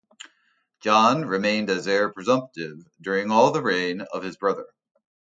John remained as heir presumptive during all the reign of his brother.